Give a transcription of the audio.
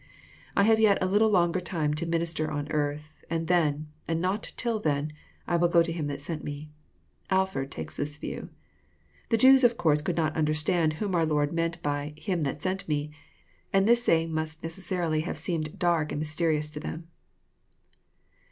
I have yet a little longer time to minister on earth, and then, and not till then, I go to Him that sent me.'M Alford takes this view. The Jews of course could not understand whom our Lord meant by '* Him that sent me," and this saying must necessa rily have seemed dark and mysterious to them.